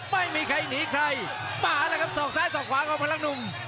ไม่มีใครหนีใครมาแล้วครับศอกซ้ายสอกขวาของพลังหนุ่ม